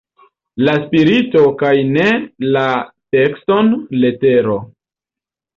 La spirito kaj ne la tekston letero!